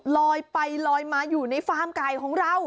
ลอยไปลอยมาอยู่ในฟาร์มไก่ของเรา